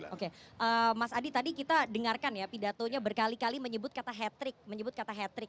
oke mas adi tadi kita dengarkan ya pidatonya berkali kali menyebut kata hat trick